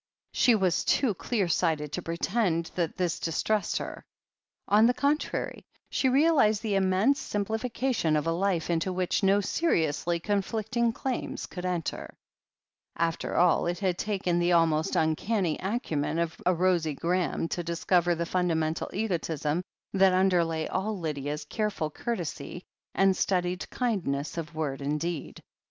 She was too clear sighted to pretend that this distressed her. On the con trary, she realized the immense simplification of a life into which no seriously conflicting claims could enter. After all it had taken the almost uncanny acumen of a Rosie Graham to discover the fundamental egotism that underlay all Lydia's careful courtesy and studied kindness of word and deed.